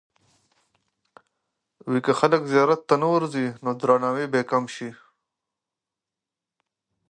که خلک زیارت ته نه ورځي، نو درناوی به یې کم سي.